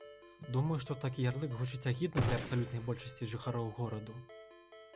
Думаю, што такі ярлык гучыць агідна для абсалютнай большасці жыхароў гораду.